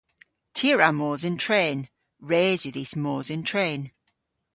Ty a wra mos yn tren. Res yw dhis mos yn tren.